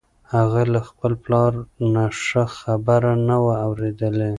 هغه له خپل پلار نه ښه خبره نه وه اورېدلې.